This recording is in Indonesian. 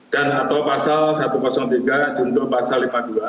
dan atau pasal satu ratus tiga juntur pasal lima puluh dua